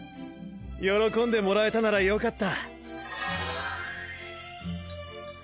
喜んでもらえたならよかった。